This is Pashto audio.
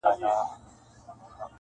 خدای دي نه کړي مفکوره مي سي غلامه-